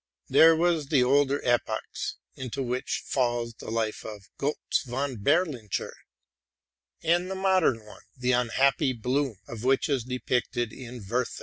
There was the older epoch, into which falls the life of Gotz von Berlichingen ; and the mod ern one, the unhappy bloom of which is depicted in '+ Wer ther.